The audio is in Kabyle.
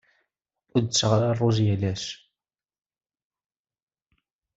Ur tetteɣ ara ṛṛuz yal ass.